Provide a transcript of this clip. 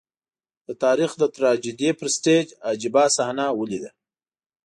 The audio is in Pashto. د تاریخ د ټراجېډي پر سټېج عجيبه صحنه ولیده.